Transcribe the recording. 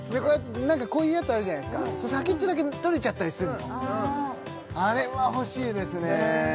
何かこういうやつあるじゃないっすか先っちょだけ取れちゃったりするのあれは欲しいですねね